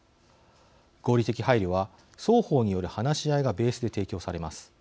合理的配慮は双方による話し合いがベースで提供されます。